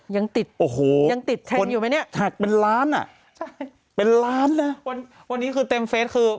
ยังติดแทนอยู่ไหมนี่ใช่เป็นล้านน่ะวันนี้คือเต็มเฟสคือ